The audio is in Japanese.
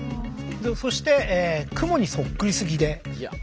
そしてクモにそっくりすぎで。